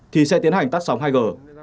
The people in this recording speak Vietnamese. thì sẽ tiến hành tắt sóng hai g